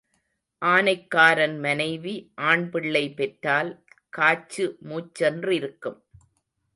ஆனைக்காரன் மனைவி ஆண் பிள்ளை பெற்றால் காச்சு மூச்சென்றிருக்கும்.